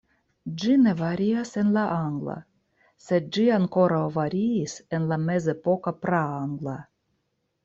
Ĝi ne varias en la angla, sed ĝi ankoraŭ variis en la mezepoka praangla.